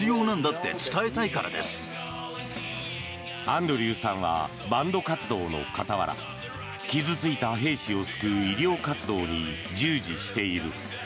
アンドリューさんはバンド活動の傍ら傷付いた兵士を救う医療活動に従事している。